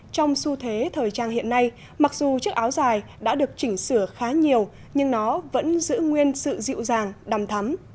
trong xu thế thời trang hiện nay mặc dù chiếc áo dài đã được chỉnh sửa khá nhiều nhưng nó vẫn giữ nguyên sự dịu dàng đầm thắm